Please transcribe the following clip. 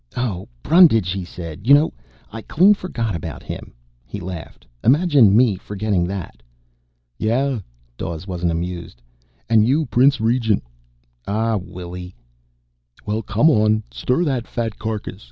"Oh, Brundage!" he said. "You know, I clean forgot about him?" He laughed. "Imagine me forgetting that?" "Yeah." Dawes wasn't amused. "And you Prince Regent." "Aw, Willie " "Well, come on. Stir that fat carcass.